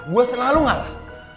gue selalu ngalah